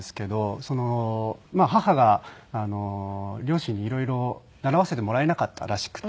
母が両親に色々習わせてもらえなかったらしくて。